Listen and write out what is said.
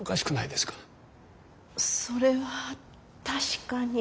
それは確かに。